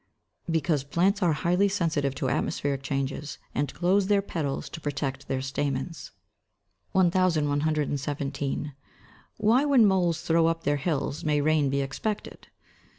_ Because plants are highly sensitive to atmospheric changes, and close their petals to protect their stamens. 1117. _Why when moles throw up their hills may rain be expected?